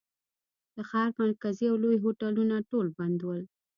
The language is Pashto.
د ښار مرکزي او لوی هوټلونه ټول بند ول.